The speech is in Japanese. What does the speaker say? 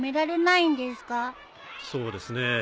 そうですねえ。